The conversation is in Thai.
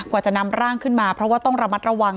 จะนำร่างขึ้นมาเพราะว่าต้องระมัดระวัง